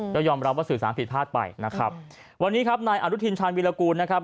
ก็ยอมรับว่าสื่อสารผิดพลาดไปนะครับวันนี้ครับนายอนุทินชาญวิรากูลนะครับ